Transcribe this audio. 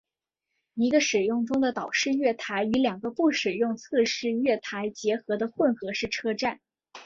一个使用中的岛式月台与两个不使用的侧式月台结合的混合式车站。